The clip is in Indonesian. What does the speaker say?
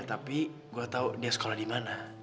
tapi gue tahu dia sekolah di mana